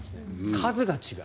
数が違う。